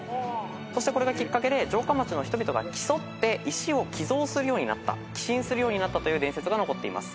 そしてこれがきっかけで城下町の人々が競って石を寄贈するようになった寄進するようになったという伝説が残っています。